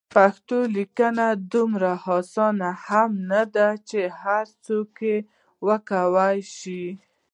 پښتو لیکنه دومره اسانه هم نده چې هر څوک یې وکولای شي.